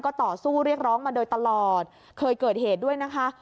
ก็ต่อสู้เรียกร้องมาโดยตลอดเคยเกิดเหตุด้วยนะคะ